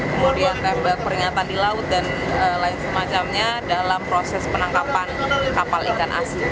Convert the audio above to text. kemudian tembak peringatan di laut dan lain semacamnya dalam proses penangkapan kapal ikan asin